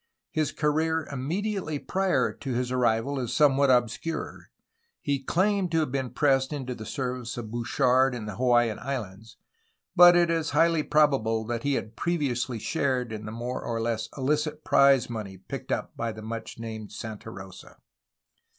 His career immediately prior to his arrival is somewhat obscure. He claimed to have been pressed into the service of Bouchard in the Hawaiian Islands, but it is highly probable that he had previously shared in the more or less illicit prize money picked up by the much named Santa Rosa.